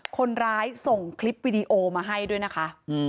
คนร้ายส่งคลิปวิดีโอมาให้ด้วยนะคะ